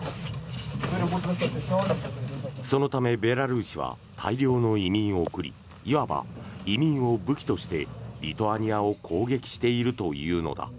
そのためベラルーシは大量の移民を送りいわば移民を武器としてリトアニアを攻撃しているというのだ。